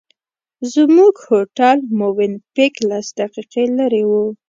زموږ هوټل مووېن پېک لس دقیقې لرې و.